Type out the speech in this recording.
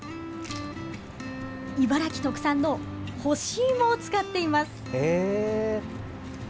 茨城特産の干し芋を使っています。